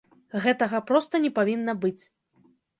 Гэтага проста не павінна быць.